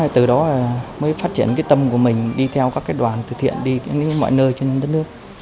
từ đó mới phát triển cái tâm của mình đi theo các đoàn từ thiện đi đến mọi nơi trên đất nước